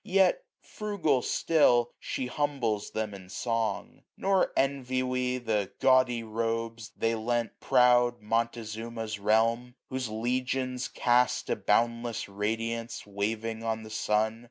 Yet frugal still, she humbles them in song. 740 Nor envy we the gaudy robes they lent Proud Montezuma's realm, whose legions cast A boundless radiance waving on the sun.